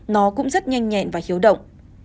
nó cũng rất nhanh nhẹn và hiếu động